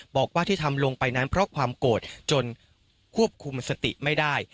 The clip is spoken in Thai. บอกว่าที่ทำลงไปนั้นเพราะความโกรธจนควบคุมสติไม่ได้